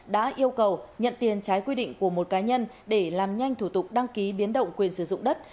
đã yêu cầu nhận tiền trái quy định của một cá nhân để làm nhanh thủ tục đăng ký biến động quyền sử dụng đất